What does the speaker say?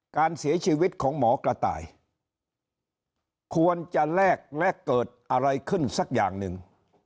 การเสียชีวิตของหมอกระต่ายควรจะแลกแลกเกิดอะไรขึ้นสักอย่างหนึ่ง